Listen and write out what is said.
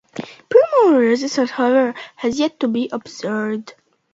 Primary resistance, however, has yet to be observed.